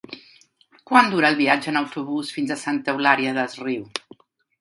Quant dura el viatge en autobús fins a Santa Eulària des Riu?